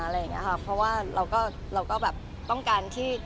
เพราะว่าเราก็ต้องการที่